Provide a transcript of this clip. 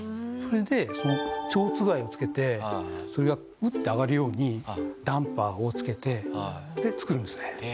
それで蝶番をつけてそれがウッて上がるようにダンパーをつけてで作るんですね。